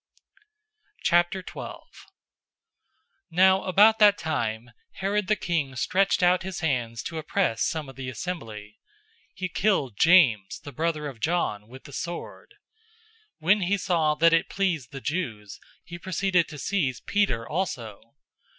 012:001 Now about that time, Herod the king stretched out his hands to oppress some of the assembly. 012:002 He killed James, the brother of John, with the sword. 012:003 When he saw that it pleased the Jews, he proceeded to seize Peter also.